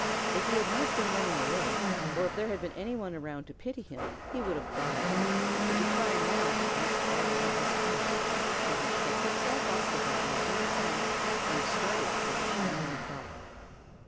If he had not been running away, or if there had been anybody around to pity him, he would have cried, but to cry now might spoil all his fun, so he picked himself up without making a sound and started for the Shanghai Cock.